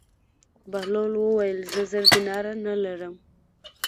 بهلول وویل: زه زر دیناره نه لرم.